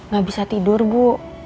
gak bisa tidur bu